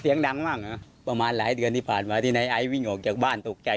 จมน้ำก่อนที่เหมือนกันจะขาดใจ